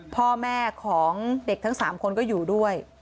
พ่อแม่ของเด็กทั้ง๓คนก็อยู่ด้วย